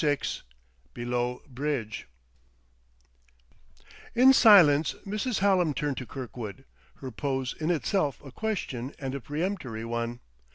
VI "BELOW BRIDGE" In silence Mrs. Hallam turned to Kirkwood, her pose in itself a question and a peremptory one.